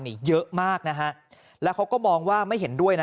นี่เยอะมากนะฮะแล้วเขาก็มองว่าไม่เห็นด้วยนะ